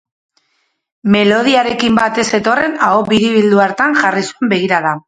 Melodiarekin bat ez zetorren aho biribildu hartan jarri zuen begirada.